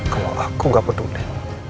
kalau aku gak peduli